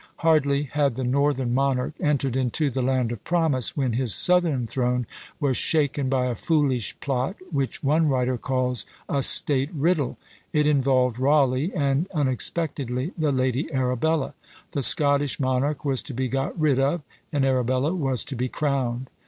Hardly had the northern monarch entered into the "Land of Promise," when his southern throne was shaken by a foolish plot, which one writer calls "a state riddle;" it involved Rawleigh, and unexpectedly the Lady Arabella. The Scottish monarch was to be got rid of, and Arabella was to be crowned.